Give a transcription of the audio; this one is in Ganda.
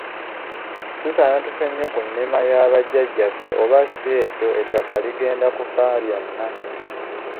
Tusaana tufe nnyo ku nnima ya bajjajjaffe oba si ekyo ettaka ligenda kufa lyonna.